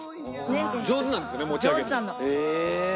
上手なんですよね持ち上げるの。